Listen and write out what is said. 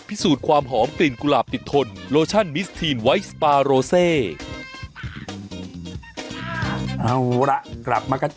เอาล่ะกลับมากัน